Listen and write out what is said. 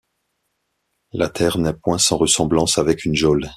La terre n’est point sans ressemblance avec une geôle.